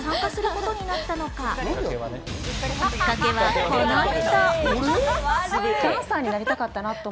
きっかけはこの人。